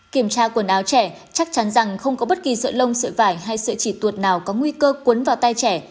kiểm tra quần áo trẻ chắc chắn rằng không có bất kỳ sợi lông sợi vải hay sợi chỉ tuột nào có nguy cơ cuốn vào tay trẻ